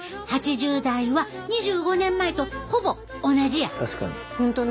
８０代は２５年前とほぼ同じや。